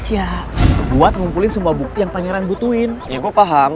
yaudah gue bilang aja lu ke toilet yang lain